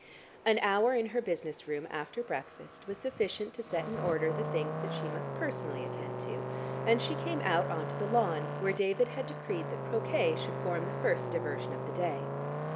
An hour in her business room after breakfast was sufficient to set in order the things that she must personally attend to, and she came out on to the lawn, where David had decreed that croquet should form the first diversion of the day.